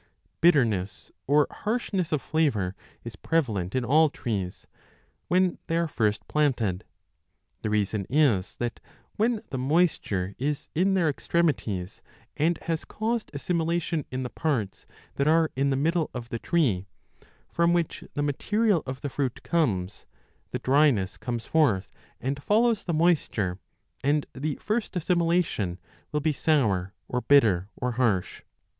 Bitterness or harsh ness of flavour is prevalent in all trees when they are first planted. The reason is that when the moisture is in their 25 extremities and has caused assimilation in the parts that are in the middle of the tree, from which the material of the fruit comes, the dryness comes forth and follows the mois ture, and the first assimilation will be sour or bitter or harsh.